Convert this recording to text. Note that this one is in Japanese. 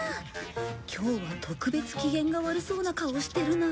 今日は特別機嫌が悪そうな顔してるなあ。